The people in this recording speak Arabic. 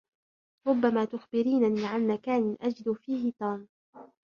ربّما تخبرينني عن مكانٍ أجد فيه توم.